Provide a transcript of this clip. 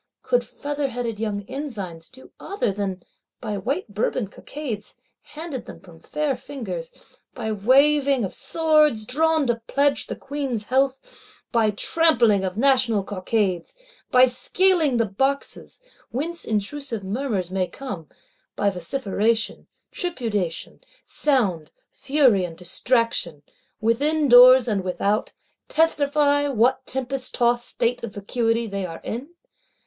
Could featherheaded young ensigns do other than, by white Bourbon Cockades, handed them from fair fingers; by waving of swords, drawn to pledge the Queen's health; by trampling of National Cockades; by scaling the Boxes, whence intrusive murmurs may come; by vociferation, tripudiation, sound, fury and distraction, within doors and without,—testify what tempest tost state of vacuity they are in?